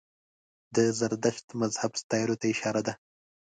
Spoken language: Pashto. د زردشت مذهب ستایلو ته اشاره ده.